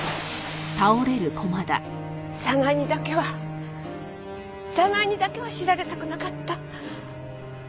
早苗にだけは早苗にだけは知られたくなかった。